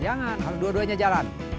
jangan dua duanya jalan